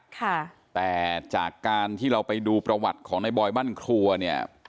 ค่ะแต่จากการที่เราไปดูประวัติของในบอยบ้านครัวเนี่ย